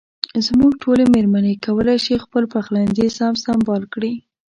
زموږ ټولې مېرمنې کولای شي خپل پخلنځي سم سنبال کړي.